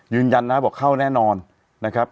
ยืนยันนะบอกเข้าแน่นอนนะครับ